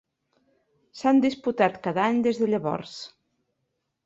S'han disputat cada any des de llavors.